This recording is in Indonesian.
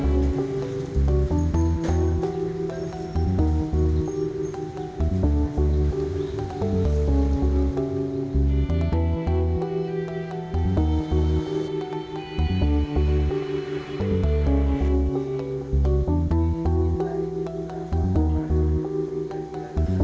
kami juga mengingatkan kepada mereka bahwa ini adalah sukarela